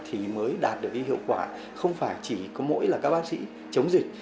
thì mới đạt được cái hiệu quả không phải chỉ có mỗi là các bác sĩ chống dịch